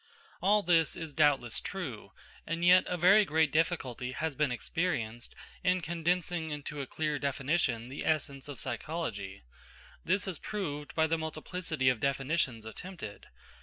All this is doubtless true; and yet a very great difficulty has been experienced in condensing into a clear definition the essence of psychology. This is proved by the multiplicity of definitions attempted.